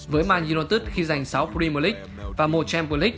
với man utd khi giành sáu premier league và một champions league